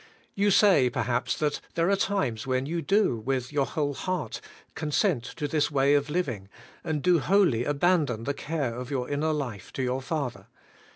You say, perhaps, that there are times when you do, with your whole heart, consent to this way of living, and do wholly abandon the care of your inner life to your Father.